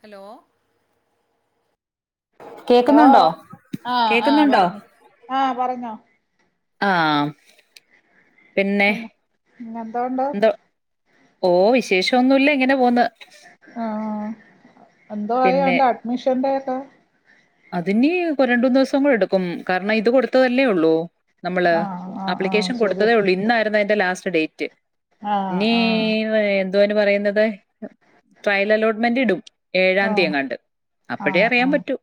Hello കേക്കുന്നുണ്ടോ ആ കേക്കുന്നുണ്ടോ ആ പറഞ്ഞോ ആ പിന്നെ എന്തോയുണ്ട് എന്തോ ഓ വിശേഷമൊന്നുമില്ല ഇങ്ങനെ- പോന്ന് എന്തൊആയോ പിന്നെ എന്തോ അഡ്മിഷന്റെ- [unintelligible] അതിനി രണ്ട് മൂന്ന് ദിവസം കൂടി എടുക്കും കാരണം ഇത് കൊടുത്തതല്ലേയുള്ളൂ നമ്മള് ആഹ് ആഹ് ആഹ് ആപ്ലിക്കേഷൻ ശരി കൊടുത്തതേയുള്ളൂ ഇന്നായിരുന്നു അതിന്റെ ലാസ്റ്റ്- ഡേറ്റ് ആഹ് ഇനി ആഹ് എന്തുവാ അതിന് പറയുന്നേ- [unintelligible] ട്രയല് ആലോട്മെന്റടും ആഹ് ഏഴാന്തിയെങ്ങാണ്ട് അപ്പഴേ ആഹ് അറിയാൻ ആഹ് പറ്റൂ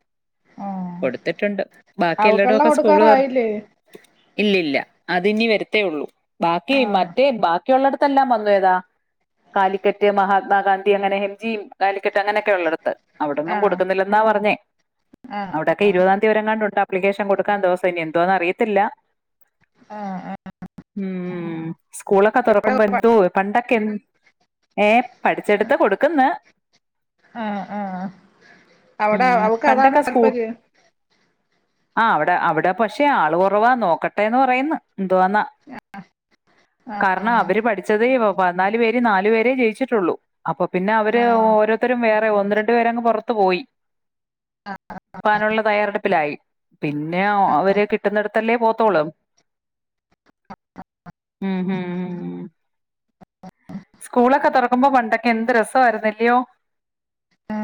ആഹ് കൊടുത്തിട്ടുണ്ട് ബാക്കി എല്ലാടോം അവക്കെല്ലാം ഒക്കെ സ്കൂള് തോറ കൊടുക്കാറായില്ലേ - ഇല്ല അതിനി വരത്തെയുള്ളു ബാക്കി ആഹ് മറ്റേ ബാ ക്കിയൊള്ളടത്തെല്ലാം വന്നു ഏതാ കാലിക്കറ്റ് മഹാത്മാഗാന്ധി അങ്ങനെ എം ജിം കാലിക്കറ്റ് അങ്ങനെയൊക്കെയുള്ളടത്ത് അവിടൊന്നും ആഹ് കൊടുക്കുന്നില്ലെന്ന പറഞ്ഞെ ആഹ് അവിടൊക്കെ ഇരുപതാംന്തി വരെയെങ്ങാ തൊട്ടപ്ലിക്കേഷൻകൊടുക്കാൻ ദിവസം നി എന്തുവാന്നറിയത്തില്ല ആഹ് ആഹ് മ് സ്കൂളൊക്കെ എവിടെ തൊറക്കുമ്പോ എന്തോ പണ്ടൊക്കെ എന്ത് ഏ പഠിച്ചെടത്ത കൊടുക്ക്ന്ന് ആഹ് ആഹ് അവിടെ മ് അവക്ക് പണ്ടൊക്കെ [unintelligible] ആ അവിടെ അവിടെ പഷേ ആളുകൊറവ നോക്കട്ടെന്ന് പറയുന്നു ന്തോന്നാ കാരണം ആഹ് അവരു പഠിച്ചതേ [unintelligible] പതിനാലു പേരിൽ നാലുപേരെ ജയിച്ചിട്ടുള്ളു അപ്പൊ പിന്നെ അവര് ആഹ് ഓരോത്തരും വേ ഒന്നുരണ്ടുപേരങ്ങു പൊറത്തുപോയി ക്കാനുള്ള തയാറെടുപ്പിലായി പിന്നെ അവര് കിട്ടുന്നടത്തല്ലേ പോ ത്തൊള്ളൂ ഊം സ്കൂളൊക്കെ തൊറക്കുമ്പോൾ പണ്ടൊക്കെ എന്ത് രസാരുന്നു അല്ലയോ ആ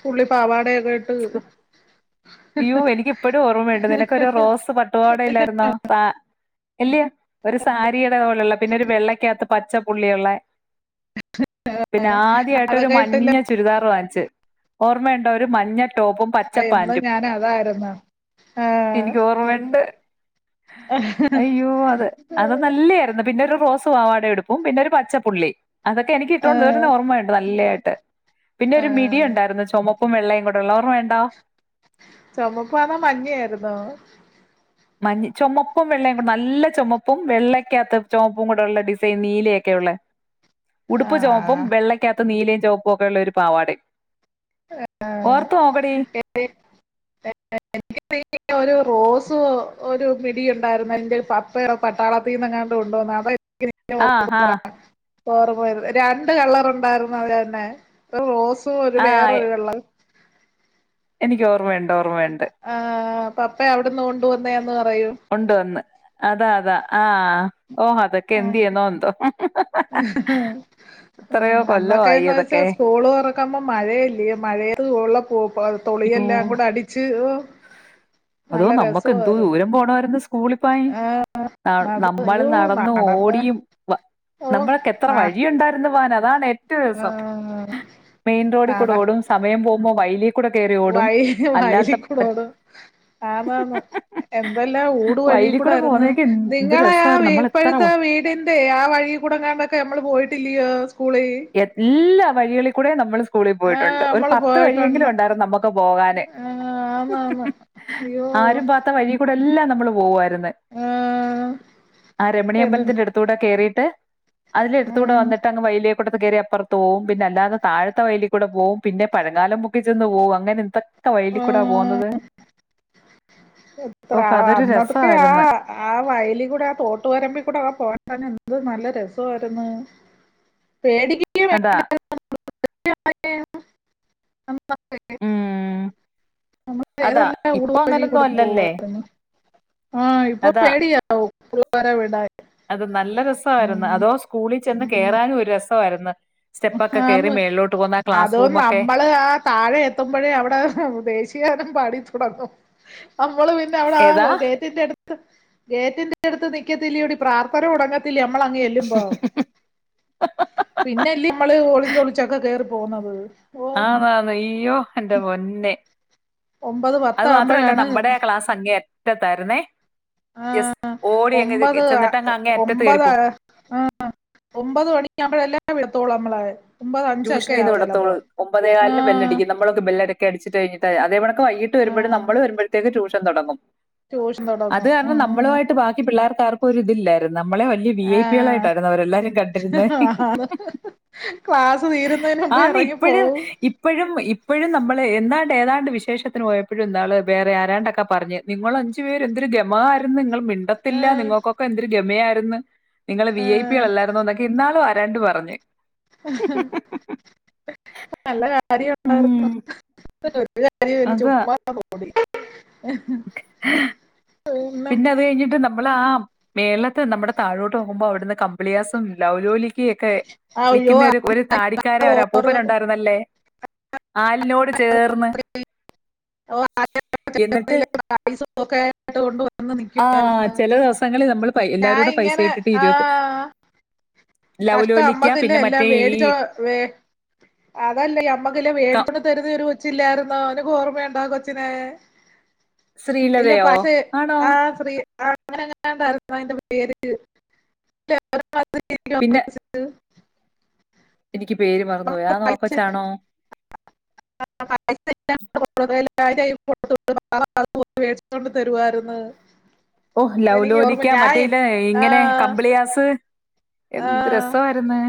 പുള്ളി പാവാട ഒക്കെ ഇട്ട് യ്യോ എനിക്ക് ഇപ്പോഴും ഓർമ്മയുണ്ട് നിനക്ക് ഒരു റോസ് പട്ടുപാവാടയില്ലായിരുന്നോ പാ ഇല്ലയോ ഒരു സാരിയുടെ പോലുള്ള പിന്നെ വെള്ളക്കാകത്ത് പച്ചപുള്ളിയൊള്ള പിന്നെ ആദ്യായിട്ട് ഒരു അതൊക്കെ ഇട്ടില്ല മഞ്ഞ ചുരിദാറ് വാങ്ങിച്ച് ഓർമ്മയുണ്ടോ ഒരു മഞ്ഞ ടോപ്പും എന്നും പച്ചപ്പാന്റും ഞാന് അതായിരുന്നു ആഹ് എനിക്കോർമ്മയൊണ്ട് അയ്യോ അത് അത് നല്ലെയാരുന്നു പിന്നൊരു റോ റോസ് പാവാടയും ഉടുപ്പും പിന്നൊരു പച്ചപുള്ളി അതൊക്കെ എനിക്ക് ഇട്ടോണ്ട് ആഹ് വരുന്ന ഓർമ്മയൊണ്ട് നല്ലെയാട്ട് ട്ട് പിന്നെ ഒരു മിഡി ആഹ് ഒണ്ടായിരുന്നു ചൊമപ് റുപ്പും വെള്ളയും കൂടൊള്ള ഓർമ്മയൊണ്ടോ ചൊമപ്പോ അതോ മഞ്ഞയായിര്ന്നോ? മഞ്ഞ് ചൊമപ്പും വെള്ളയും കൂടെ നല്ല ചൊമപ്പും വെള്ളയ്ക്കകത്ത് ചൊമപ്പും കൂടെയുള്ള ഡിസൈൻ നീലയൊക്കെയുള്ള ഉടുപ്പ് ചൊമപ്പും ആഹ് വെള്ളക്കകത്ത് നീലയും ചൊമപ്പും ഒക്കെയുള്ളൊരു പാവാടയും ആഹ് ഓർത്ത് നോക്കെടി ന്നെ ഒരു റോസു ഒരു മിഡിയൊണ്ടാര്ന്ന് എന്റെ പപ്പ പട്ടാളത്തീന്ന് കൊണ്ട് വന്ന ആ, ആ, [unintelligible] ളറ് പോയത് രണ്ട് കളറുണ്ടായിര്ന്ന് അവരന്നേ ഒരു റോസ് സും ഒരു വേറൊരു കളറും എനിക്കോർമ്മയുണ്ട് ഓർമയുണ്ട് പപ്പായവിടുന്ന് കൊണ്ടുവന്ന കൊണ്ട് വന്ന് അതാ താ ആ ഓഹ് അതൊക്ക എന്ത് ചെയ്യുന്നോ എന്തോ എത്രയോ കൊല്ലവായി അന്നൊക്കെഎന്നുവച്ചാ അതൊക്കെ. സ്കൂള് തൊറക്കുമ്പം മഴയല്ലിയോ മഴയി ഉള്ളപ്പോ തോളിയെല്ലാം യ്യോ! കൂടെ അടിച്ച് ഓ അതോ നമ്മക്കെന്തോരു ദൂരം പോണാര്ന്നു സ്കൂളിൽ പോവാൻ നട നമ്മള് അയ്യോ നടന്നും നടന്ന് ഓടിയും നമ്മൾക്കെത്ര ഓഹ് വഴിയുണ്ടായിരുന്നു പോവാന വാനേ ഒറ്റ ദിവസം ആഹ് മെയിൻ റോഡിക്കൂടോടും സമയം പോകുമ്പോ വയ്ലി വയ് വയലിക്കൂ ന്നും ആന്നാന്ന് എന്തെല്ലാം ഊടു വയലിൽ കൂടെ വഴീക്കുടാർന്ന് പോകുന്നതൊക്കെ എന്ത് നിങ്ങളെയാ രസമായിരുന്നു നമ്മൾ എത്ര ഇപ്പഴത്തെ വീടിന്റെ ആ വഴിക്കൂടെങ്ങാണ്ടൊക്കെ അമ്മള് പോയി ട്ടില്ലിയോ? എല്ലാം വഴികളിൽക്കൂടെയും നമ്മള് സ് കൂളിൽ ആഹ് പോയിട്ടുണ്ട്. ഒരു നമ്മള് പത്ത് വഴിയെങ്കിലും പോയിട്ടുണ്ട് ഉണ്ടായിർന്നമ്മക്ക് പോകാന് ആഹ് ആന്നാന്ന് അയ്യോ ആരും പോവാത്ത വഴീക്കൂടെ എല്ലാം നമ്മള് പോവാര് ന്ന്. ആഹ് ആ എന്ന് രമണിയമ്പലത്തിന്റെടുത്തൂടെ കേറീ ട്ട് അതിന്റെടുത്തുടെ ഉം വന്നിട്ടങ്ങ് വൈലെ ഇപ്പറ്ത് കേറി അപ്പർത് പോവും പിന്നല്ലാതെ താഴത്തെ വയ്ലി കൂടെ പോവും പിന്നെ പഴംകാലം മുക്കി ചെന്ന് പോകും അങ്ങനെന്തൊക്കെ വയ്ലികൂടാ പോന്നത് ഉം ഇത്ര ആ അന്നതൊക്കെ ആ ആ വയ്ലികുടെ തോട്ടു വരമ്പികുടെ ഒക്കെ പോവാൻ തന്നെ എ ന്ത്‌ നല്ല രസവാര്ന്ന്. അതാ [unintelligible] ഉം നമ്മള് അതാ വേറെല്ലാ ഊട് ഇപ്പൊ അങ്ങനൊന്നും വഴീകൂടെ അല്ലല്ലേ പോവാര്ന്നു അതാ വരെ വിടാൻ അത് നല്ലരെസവാര്ന്ന് അതോ സ്കൂളി ചെന്ന് ഉം. കേറാനു ഒരു രെസവാര്ന്ന്. ആന്ന് ക്ലാസ് അതോ റൂമൊക്കെ നമ്മള് ആ താഴെ എത്തുപൊഴേ അവ്ടെ ദേശീ ഗാനം പാടീ ട്ടുണ്ടാർന്നു. നമ്മള് പിന്നവിട ആ ഏതാ ഗേറ്റിന്റടു ത്ത് ഗേറ്റിന്റടുത് നിക്കതില്ലയോടി പ്രാർത്ഥന തൊടങ് ത്തില്ലേ നമ്മളങ് യെല്ലുമ്പോ. പിന്നല്ലേ ഒളിചൊളിച്ചൊക്കെ കേറി പോവുന്നത് ആ അതെ ഇയ്യോ എന്റെ പൊന്നേ ഒമ്പത് അത് മാത്രല്ല പത്താകുമ്പോഴാണ് നമ്മടെ ക്ലാസങ്ങേ അറ്റത്താര്ന്നേ ആ ഒമ്പത് അ ചെന്നിട്ട് അങ്ങ് ഒ അങ്ങേ അറ്റത്ത് ഒമ്പത് കയറിപ്പോ അ ഒമ്പത് മണിയാബഴല്ലെ വിടതൊള് നമ്മള് ട്യൂഷ്നീന് വിടതൊള്ളൂ ഒമ്പതേ ആ കാലിന് ബെല്ലടിക്കും നമ്മളൊക്കെ ബെല്ലടൊക്കെ [unintelligible] അതേ പോണക് വൈകിട്ട് വരുമ്പഴും ആ നമ്മള് വരുംമ്പഴ്ത്തേക് ട്യൂഷ് ഷൻ തൊടങ്ങും ട്യൂഷൻ അത് തുടങ്ങും കാരണം ഉം നമ്മളുവായ്ട്ട് ബാക്കി പിള്ളാർക്ക് ആർക്കുവൊരിതിലാരുന്ന് നമ്മള് വെല്യ ആഹ് വീഐപികളായിട്ടാണ് അവരെല്ലാരും കണ്ടരുന്നേ ക്ലാസ് തീരുന്നതിന് മുമ്പ് ഇറങ്ങി ആന്നിപ്പഴും പോവും ഇപ്പഴും ഇപ്പഴും നമ്മള് എന്താണ്ട് ഏതാണ്ട് വിശേഷതിന് പോയപ്പഴും ഇന്നാള് വേറെ ആരാണ്ടൊക്കെ പറഞ് നിങ്ങളഞ്ചുപേരു എന്തൊരു ഗെമാ ആര്ന്നു നിങ്ങള് മിണ്ടതില്ല ആഹ് നിങ്ങകൊകെ എന്തൊരു ഗെമ ആര് [unintelligible] നിങ്ങള് ആഹ് വിഐപികളല്ലാര്നോന്ന് ഒക്കെ ഇന്നാളു ആര് രണ്ടു പറഞ്ഞു അഹ് വല്ല കാര്യവും ഉം ഉണ്ടായിരുന്നോ ഒരു കാര്യവുമില്ല ചുമ്മാ അതാ ഹ് പിന്നെ അത് കഴിഞ്ഞിട്ട് നമ്മളെ ആ മേളിലത്തെ നമ്മുടെ താഴേട്ടു നോക്കുമ്പോൾ അവിടുന്ന കംപ്ലിയാസും ലൗലോലിക്കയും ക്കും അയ്യോ വിൽക്കുന്ന ഒരു താടിക്കാരൻ ഓറ് അപ്പുപ്പൻ ഉണ്ടാരുന്നല്ലോ [inaudible] നിക്കും ആഹാ ചില ദിവസങ്ങളിൽ നമ്മള് പൈസ ഇട്ടട്ടു എല്ലാരും ഞാൻ കൂടെ പൈസ ഇങ്ങനെ ഇട്ടിട്ട് കഷ്ടാ ലൗലോലിക്ക നമ്മക്ക് പിന്നെ എല്ലാം മറ്റേ ഈ വേടിച്ചേണ്ട് മേടിച്ചോണ്ട് അല്ലൊ അല്ലൊ ക- മേടിച്ചോണ്ട് തരുന്ന ഇല്ല കൊച്ച് ച്ചില്ലാരുന്നോ നിനക്ക് ഓർമയുണ്ടോ ആ കൊച്ചിനെ ഇല്ല ശ്രീലതയോ പൈസ ആണോ ആഹ് അങ്ങനെയാണ്ട ആരുന്നു അതിൻ്റെ പേര് പിന്നെ എനിക്ക് പേര് മറന്നു പോയി ആന്നോ ആ കൊച്ച് ആണോ [unintelligible] വേടിച്ചോട്ട് തരുവാരുന്നു ഓ ലൗലോലിക്കാ മറ്റേ ഇല്ല ആ, ഇങ്ങനെ കമ്പിളിയാസ് എന്ത് രസാരുന്നു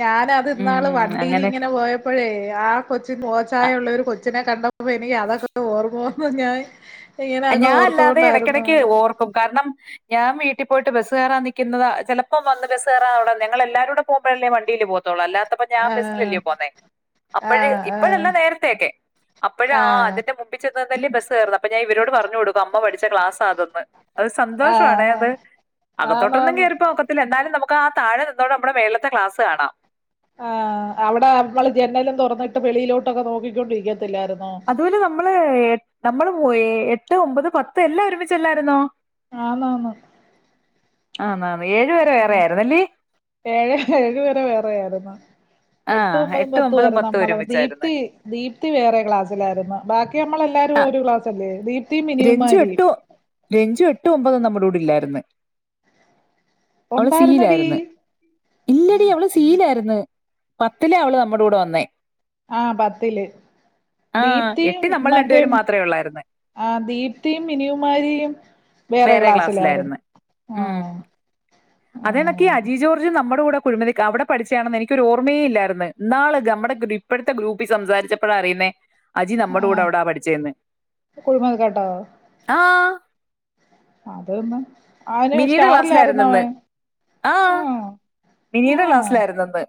ഞാൻ അത് ഇന്നാള് വണ്ടിയില് അങ്ങനെ ഇങ്ങനെ പോയപ്പോഴെ ആ കൊച്ച് മുഖഛായ ഉള്ളെരു കൊച്ച് ച്ചിനെ കണ്ടപ്പോ അപ്പോ എനിക്ക് അതെക്കെ ഓർമവന്ന് പ്പ ഞാൻ ഇങ്ങനെ ഒക്കെ ഞാൻ അല്ലാതെ ഓർത്തോണ്ടായിരുന്നു ഇടക്കിടക്ക് അത് ഓർക്കും കാരണം ഞാൻ വീട്ടില് വീട്ടിൽ പോയിട്ട് ബസ്സു കേറാൻ നിക്കുന്നത് ചിലപ്പോ വന്ന് ബസ് കേറാൻ അവിടെ വന്ന് നിക്കുന്നത് ഞങ്ങൾ എല്ലാരും കൂടെ പോകുമ്പോഴല്ലെ വണ്ടില് പോണ ത്തോള് അല്ലാത്തപ്പോഴ് ഞാൻ ആ, ബസിലല്ലേ പോണ ആ, അപ്പഴ് ആ, ഇപ്പോഴല്ല നേരത്തെയെക്കെ അപ്പഴ് ആ അതിൻ്റെ മുമ്പിൽ ചെന്നു നിന്നല്ലേ ബസ് കേറുന്ന ഇപ്പോ ഞാൻ മിസ്സിനോട് പറഞ്ഞു കൊടുക്കും അമ്മ പഠി പഠിച്ച ക്ലാസാണന്ന് അത് ആ, സന്തോഷാണേ ആ, അത് അകത്തോട്ട് ഒന്നും ആന്നാന്ന് കേറി പോകാൻ ഒക്കത്തില്ല നമുക്ക് ആ താഴെ നിന്നോണ്ട് മുകളിലത്തെ ക്ലാസ് കാണാം ആഹ് അവിടെ നമ്മളു ജനലും തുറന്നിട്ട് വെളിയിലോട്ട് നോക്കി കൊണ്ട് നിക്കും അതുപോലെ നമ്മള് ഏ നമ്മൾ പോയ എട്ട് ഒമ്പത് പത്ത് എല്ലാം ഒരുമിച്ചല്ലായിരുന്നോ അന്നന്ന് അന്നന്ന് ഉംഏഴ് ഏഴു വരെ വേറെയായിര്ന്നു എട്ടു ആഹ് ഒമ്പതും എട്ടും പത്തും ആയിരുന്നു നമ്മള ഒരുമിച്ചായിരുന്നു ദീപ്തി ദീപ്തി വേറെ ക്ലാസ്സിലായിരുന്നു ബാക്കി നമ്മളെ എല്ലാരും ആഹ് ഒരു ക്ലാസ്ല്ലേ [unintelligible] രഞ്ജു എട്ട് രഞ്ജു എട്ട് ഒമ്പത് നമ്മുടെ ടൂഡില്ലായിരുന്ന് അവള് ഉണ്ടായിരുന്നടി സീലായിന്ന് ഇല്ലടി അവള് സീലായിര്ന്ന് പത്തില അവള് നമ്മുടെ കൂടെ വന്നേ ആ പത്തില്ല് ആഹ് ദീപ്തിയും എട്ടിൽ നമ്മൾ മറ്റേ രണ്ടുപേരും മാത്രമേ ഉള്ളായിരുന്നു ആ ദീപ്തിയും മിനിയുമാരിയും വേറെ ക്ലാസ്സിലായിരുന്നു ആ അതേണക്കി അജി ജോർജ് നമ്മുടെ കൂടെ കുഴിമതി അവിടെ പഠിച്ചയാണെന്ന് എനിക്കൊ ഓർമ്മയേ ഇല്ലായിരുന്നു ഇന്നാള് നമ്മുടെ ഇപ്പോഴത്തെ ഗ്രൂപ്പിൽ സംസാരിച്ചപ്പോഴാണ് അറിയുന്നേ അജി നമ്മുടെ കൂടെ ആഹ് അവിടാ പഠിച്ചന്ന് കുഴിമത് കേട്ടോ ആ അതൊന്ന് അവന് മിനിയുടെ സ്റ്റാറിലായിരുന്നു ക്ലാസ്സിലായിരുന്നെന്ന് അവൻ ആ ആഹ് മിനിയുടെ ആഹ് ക്ലാസ്സിലായിരുന്നന്ന്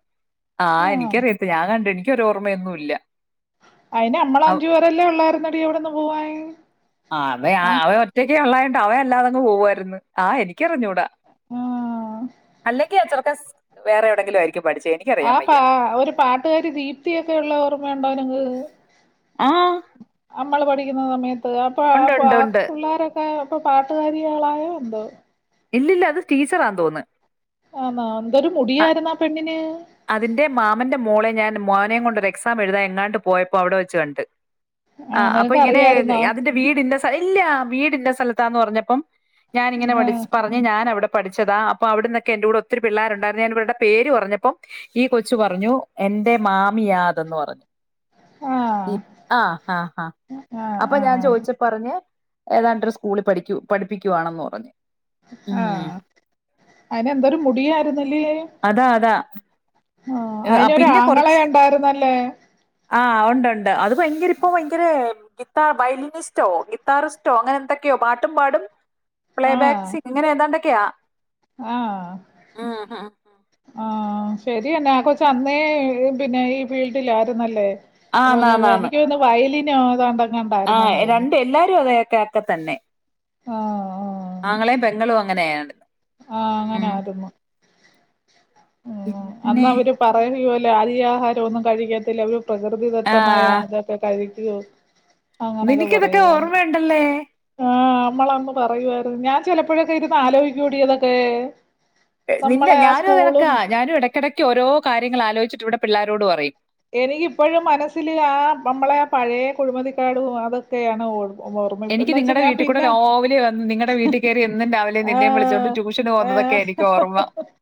ആ ആഹ് എനിക്കറിയത്തില്ല ഞാൻ കണ്ടു എനിക്കരോഓർമ്മയൊന്നുഇല്ല അയിന് നമ്മള അഞ്ചുപേരെല്ലേ ഉള്ളായിരുന്ന അടി എവിടന്ന് പോവാൻ ആഹ് അവ ആ അവയെ ഒറ്റ [unintelligible] ഉള്ളായിണ്ട് അവ അല്ലാെങ് പോവുയിരുന്നു ആഹ് എനിക്കിറിഞ്ഞൂടാ. ആ അല്ലെങ്കിൽ അത്ര ടേസ് വേറെ എവിയെങ്കിലും ആയിരി ആഹ് പാ ഒരു പാട്ടുകാരി ദീപ്തിയൊക്കെ ഉള്ള ഓർമ്മ ഉണ്ടോ നിങ്ങൾക്ക്. ആഹ് ക്കുന്നു സമയത്ത്. അപ്പൊ [unintelligible] ആ പിള്ളോരൊക്കെ. ഇപ്പൊ പാട്ടുകാരികൾ ആയോ എന്തോ. ഇല്ലില്ല അത് ടീച്ചറിയന്നേ തോന്നുന്നു. ആണോ എന്തോരു അ- മുടിയായിരുന്നു ആ പെണ്ണിന്. അതിന്റെ മാമന്റെ മോളെ ഞാൻ മോനെയയും കൊണ്ട് ഒരു എക്സാം എഴുതാൻ എങ്ങാണ്ട് പോയപ്പോ അവിടെ വച്ച് കണ്ട്. ആ അപ്പൊ ഇങ്ങനെ അതിന്റെ വീട് ഇനെ സ്ഥല ഇല്ല വീ ഇനെ സ്ഥലത്താന്ന് പറഞ്ഞപ്പോ. ഞാൻ ഇങ്ങനെ ആ പഠിച്ച പറഞ്ഞ് ഞാൻ അവിടെ. പഠിച്ചതാ അപ്പൊ അവിടന്നൊക്കെ എന്റെ കൂടെ ഒത്തിരി പിള്ളേരുണ്ടായിരുന്നു ഞാൻ ഇവരുടെ പേര് പറഞ്ഞപ്പോ. ഈ കൊച്ചു പറഞ്ഞു എന്റെ മാമിയാ അത് പറഞ്ഞു. ആ ആഹ് ആഹ് ആഹ് അപ്പൊ ആ ഞാൻ ചോദിച്ചുപ്പോ പറഞ്ഞ് ഏതാണ്ടൊരു സ്കൂളിൽ പഠിക്കു പഠിപ്പിക്കുകവാണെന്ന് പറഞ്ഞു. ഉം ആഹ് അയിന് എന്തൊരു മുടിയായിരുന്നല്ലേ. അതാ അതാ ആ അയിനൊരു പിന്നെ ആങ്ങള് കൊറച്ച് ഉണ്ടായിരുന്നല്ലേ. ആഹ് ഒണ്ട് ഒണ്ട്. ട്ട് അത് ഭയങ്കര ഇപ്പൊ ഭയങ്കര. ഗിറ്റാർ വയലിനിസ്‌റ്റോ ഗിറ്റാരിസ്റ്റോ അങ്ങനെ എന്തൊക്കെയോ പാട്ടും പാടും. പ്ലേ ബാക്ക് സിംഗ് ഇങ്ങനെ ഏതാണ്ട ക്കയാ ആഹ് ആഹ് ശരി തന്നെ ആ കൊച്ചു അന്നേ പിന്നെ ഈ ഫീൽഡിൽ ആയിരുന്നല്ലേ. ഓ ആന്ന് ആന്ന് അതുപോലെ ആന്ന് എനിക്ക് തോന്നുന്നു വയലി [unintelligible] ആഹ് രണ്ട് എല്ലാരും അതുതന്നെ. കേക്ക് തന്നെ. ആഹ് ആങ്ങളയും പെങ്ങളും അങ്ങ [unintelligible] ആ ങ്ങനെ ആയിരുന്നു. അന്ന് പിന്നെ [unintelligible] [unintelligible] പ്രകൃതി തതമായ [unintelligible] [unintelligible] നിനക്ക് ഇത് ഓക്കേ ഓർമ്മ ഇണ്ടല്ല നമ്മൾ അന്ന് പറയായിരുന്നു ഞാൻ ചെലപ്പോയക്കെ [unintelligible] നിന്റെ [unintelligible] ഞാനും ഇടക്കിടയ്ക്ക് ഓരോ കാര്യങ്ങൾ ആലോചിച്ചിട്ട് ഇവിടെ പിള്ളാരോട് പറയും. എനിക്കിപ്പോഴും മനസ്സില് ആ നമ്മളെ ആ പഴയ കുഴിമതിക്കാടും അതൊക്കെയാണ് ഓട ഓർമ്മിപ്പ എനിക്ക് എന്നുവെച്ചാ നിങ്ങടെ ഞാൻ വീട്ടിൽ കൂടെ പിന്നെ രാവിലെ വന്ന് നിങ്ങടെ വീട്ടിൽ കേറി എന്നും രാവിലെ നിന്നെയും വിളിച്ചോണ്ട് ട്യൂഷന് പോകുന്നതൊക്കെ എനിക്ക് ഓർമ്മ [unintelligible]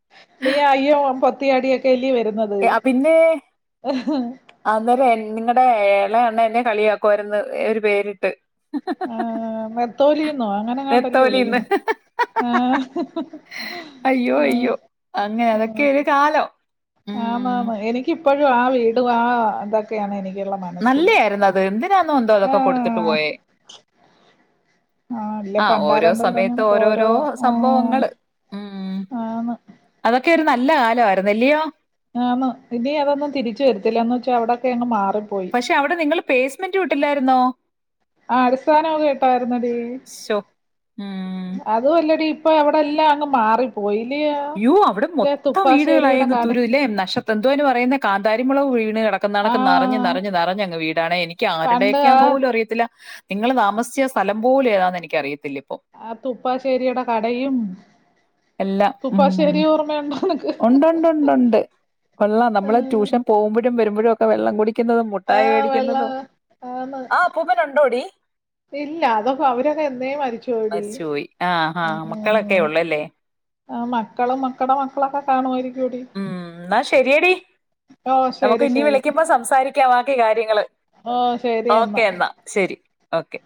നീ അയ്യോ പൊത്തിയാടിയൊക്കെയല്ലേ വരുന്നത്. എ, ആ, പിന്നെ [unintelligible] നിങ്ങടെ എളേ അമ്മ എന്നെ കളിയാക്കായിരുന്നു ഈ ഒരു പേരിട്ട്. ആഹ് നെത്തോലീന്നോ അങ്ങനെങ്ങാണ്ടല്ലേ നെത്തോലീന്ന് വിളിക്കുന്നെ ആഹ് [unintelligible] അയ്യോ ആഹ് അയ്യോ അങ്ങ് അതൊക്കെ ഒര് കാലം ഉം ഇപ്പഴും ആ വീടും ആ ഇത് [unintelligible] നല്ലേ ആയിരുന്നു അത് എന്തിനാന്നോ എന്തോ അതൊക്കെ കൊട്ത്ത്ട്ട് ആഹ് പോയേ ഇല്ല ആഹ് ഓരോ പണ്ടാരണ്ട് സമയത്ത് പറഞ്ഞണക്ക് ഓരോ ഓരോരോ ഉം സംഭവങ്ങള് ആന്ന് മ് ക്കെര് നല്ലകാലമായിര്ന്നല്ലിയോ ആന്ന് ഇനി അതൊന്നും തിരിച്ച് വരത്തില്ല എന്ന് വെച്ചാ അവടെക്കെ അങ്ങ് മാറി പക്ഷെ അവടെ നിങ്ങള് പേസ്മെന്റ് ഇട്ടില്ലായിര്ന്നോ? അടിസ്ഥാന [unintelligible] ശോ ഉം അതോല്ലടി പ്പവടെല്ലാം അങ്ങ് മാറി പോയി. യോ അവടെ മൊത്തം വീട്കളായി അങ്ങ് കാട് തുരുലെ നഷ്ത്ര എന്തോ അതിന് പറയുന്നേ കാ‍ന്താരി മൊളക് വീണ് കെടക്കുന്ന നാളൊക്കെ ആഹ് നെറഞ് നെറഞ് കിട ക്കാണ് പണ്ട് ആ എനിക്കാരുടെക്കാന്ന് പോലുമറിയത്തില്ല ഇങ്ങള് താമസിച്ചിര്ന്ന സ്ഥലം പോലും ഏതാ നെനിക്കറി ആഹ് തുപ്പശ്ശേരിയുടെ കടയും തുപ്പാശ്ശേരി ഓർമയു ഉണ്ടോണ്ട്ണ്ട്ണ്ട് ഉള്ള നമ്മള് ആഹ് ട്യൂഷൻ പോകുമ്പഴും വര് മ്പഴും ഒക്ക വെള്ളങ്കുടി ക്ക്ന്നതും മുട്ടായി ആഹ് വെള്ള വേടിക്കുന്നതും ആന്ന് ആ അപ്പൂപ്പനുണ്ടോടി ഇല്ല അതൊക്കെ അവരൊക്കെ എന്നേ മരിച്ചുപോയെടി മരിച്ച് പോയി ആഹ് ആഹ് മക്കളൊക്കെ ഉള്ളല്ലേ ആഹ് മക്കളും മക്കടെ മക്കളൊക്കെ കാണു മ് ന്നാ ശെരിയെടി ഓ ശരി നമ്മകിനി ശരി വിളിക്കുമ്പോ സംസാരിക്കാം ക്കെ കാര്യങ്ങള് ഓ ശരി ഓക്കേ എന്നാ ശെരി ഓക്കേ